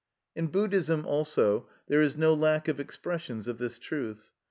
In Buddhism also, there is no lack of expressions of this truth.